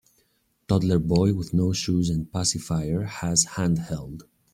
Toddler boy with no shoes and pacifier has handheld.